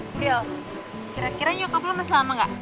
sil kira kira nyokap lo masih lama enggak